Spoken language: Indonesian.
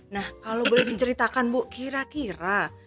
nah kalau boleh diceritakan bu kira kira